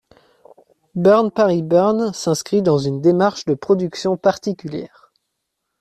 Burn Paris Burn s'inscrit dans une démarche de production particulière.